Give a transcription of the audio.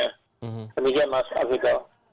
kemudian mas azhidah